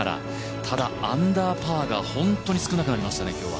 ただ、アンダーパーが本当に少なくなりましたね、今日は。